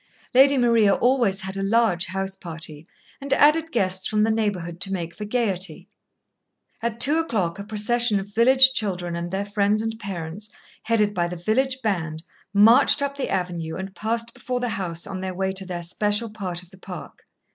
Lady Maria always had a large house party, and added guests from the neighbourhood to make for gaiety. At two o'clock a procession of village children and their friends and parents, headed by the village band, marched up the avenue and passed before the house on their way to their special part of the park.